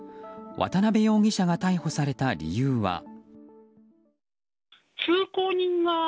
渡辺容疑者が逮捕された理由は。